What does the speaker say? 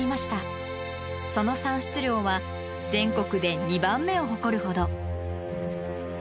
その産出量は全国で２番目を誇るほど。